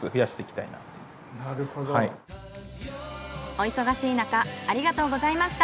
お忙しいなかありがとうございました。